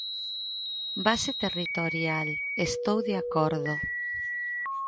Base territorial; estou de acordo.